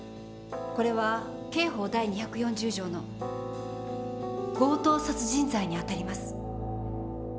これは刑法第２４０条の強盗殺人罪にあたります。